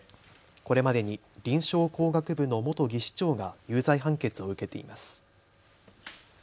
これまでに臨床工学部の元技士長が有罪判決を受けています。